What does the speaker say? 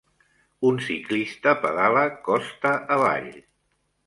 Un ciclista pedala costa avall.